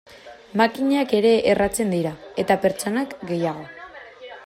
Makinak ere erratzen dira, eta pertsonak gehiago.